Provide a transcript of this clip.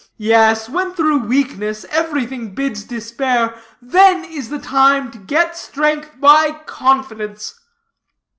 Yes, when through weakness everything bids despair, then is the time to get strength by confidence."